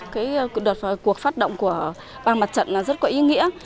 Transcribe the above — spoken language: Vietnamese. cái đợt cuộc phát động của ban mặt trận là rất có ý nghĩa